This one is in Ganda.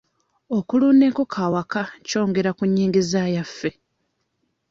Okulunda enkoko awaka kyongera ku nnyingiza yaffe.